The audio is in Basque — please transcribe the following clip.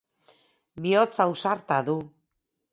Bihotz ausarta du.